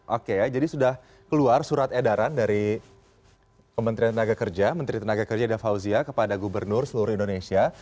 oke ya jadi sudah keluar surat edaran dari kementerian tenaga kerja menteri tenaga kerja da fauzia kepada gubernur seluruh indonesia